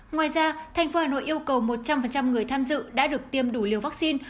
ngoài ra thành phố hà nội yêu cầu một trăm linh người tham dự đã được tiêm đủ liều vaccine